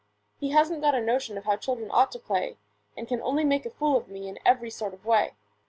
He hasn't got a notion of how children ought to play, And can only make a fool of me in every sort of way.